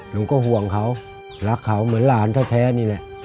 ลุงก็ห่วงเขารักเขาเหมือนหลานแท้นี่แหละ